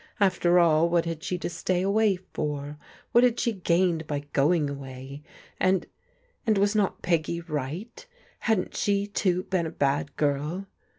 After all, what had she to stay away for? What had she gained by going away? And — and was not Peggy right? Hadn't she, too, been a bad girl?